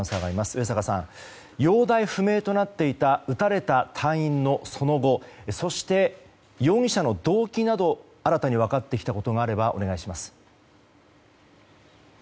上坂さん、容体不明となっていた撃たれた隊員のその後そして、容疑者の動機など新たに分かってきたことがあればお願いします。